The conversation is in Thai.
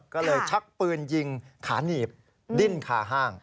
ก็เลยชักปืนยิงขาหนีบดิ้นคาห้าง